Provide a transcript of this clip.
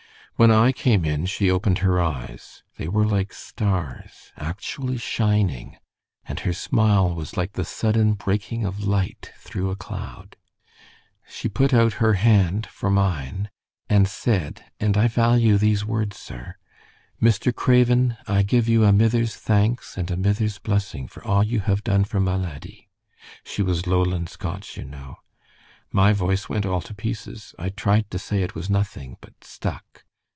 When I came in she opened her eyes. They were like stars, actually shining, and her smile was like the sudden breaking of light through a cloud. She put out her hand for mine, and said and I value these words, sir 'Mr. Craven, I give you a mither's thanks and a mither's blessing for a' you have done for ma laddie.' She was Lowland Scotch, you know. My voice went all to pieces. I tried to say it was nothing, but stuck.